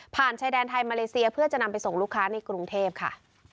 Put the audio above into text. ชายแดนไทยมาเลเซียเพื่อจะนำไปส่งลูกค้าในกรุงเทพค่ะ